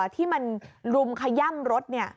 ที่มันรุมขย่ำรถ